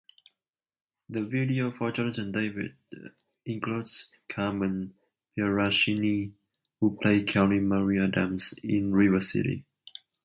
The video for Jonathan David includes Carmen Pieraccini, who played Kelly-Marie Adams in Rivercity.